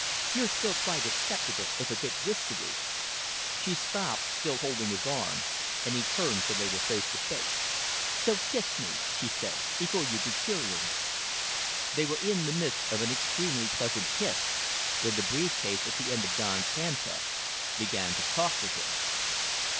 "You're still quite acceptable, if a bit whiskery." She stopped, still holding his arm, and he turned so they were face to face. "So kiss me," she said, "before you deteriorate." They were in the midst of an extremely pleasant kiss when the brief case at the end of Don's handcuff began to talk to him.